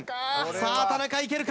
さあ田中いけるか？